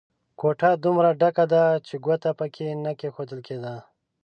کوټه دومره ډکه ده چې ګوته په کې نه کېښول کېده.